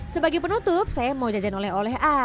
sebagai penutup saya mau jajan oleh oleh a